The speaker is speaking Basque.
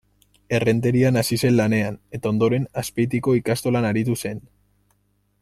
Errenterian hasi zen lanean, eta ondoren Azpeitiko ikastolan aritu zen.